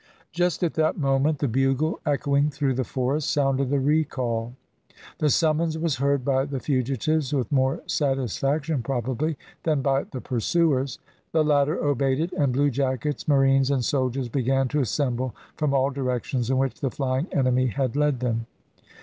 Just at that moment the bugle echoing through the forest, sounded the "recall." The summons was heard by the fugitives with more satisfaction probably than by the pursuers. The latter obeyed it, and bluejackets, marines, and soldiers began to assemble from all directions in which the flying enemy had led them.